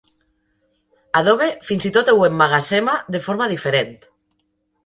Adobe fins i tot ho emmagatzema de forma diferent.